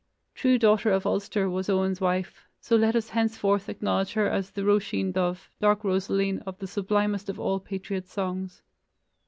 True daughter of Ulster was Owen's wife, so let us henceforth acknowledge her as the Roisin dubh, "dark Rosaleen", of the sublimest of all patriot songs.